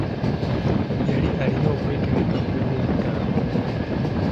Yali alina okwetegeka ku lwokutaano.